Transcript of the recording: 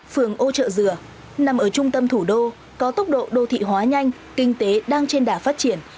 phường ô trợ dừa nằm ở trung tâm thủ đô có tốc độ đô thị hóa nhanh kinh tế đang trên đà phát triển